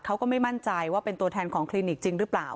เขาก็ไม่มั่นใจว่าเป็นตัวแทนของคลินิกจริงหรือเปล่า